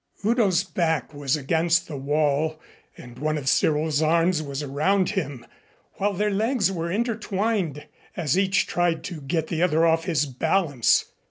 Udo's back was against the wall and one of Cyril's arms was around him, while their legs were intertwined as each tried to get the other off his balance.